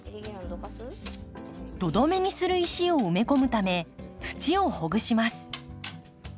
土留めにする石を埋め込むため土をほぐします。